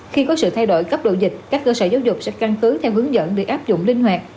khi có sự thay đổi cấp độ dịch các cơ sở giáo dục sẽ căn cứ theo hướng dẫn để áp dụng linh hoạt